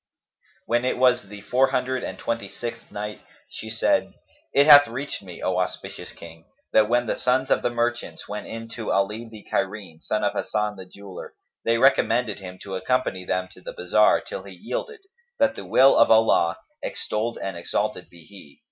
When it was the Four Hundred and Twenty sixth Night, She said, It hath reached me, O auspicious King, that when the sons of the merchants went in to Ali the Cairene, son of Hasan the Jeweller, they recommended him to accompany them to the bazar, till he yielded, that the will of Allah (extolled and exalted be He!)